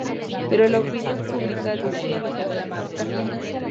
Pero la opinión pública decía lo contrario.